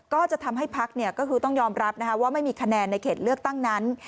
ก็จะทำให้พักก็คือต้องยอมรับว่าไม่มีคะแนนในเขตเลือกตั้งนั้น